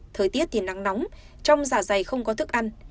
thời tiết thì nắng nóng trong giả dày không có thức ăn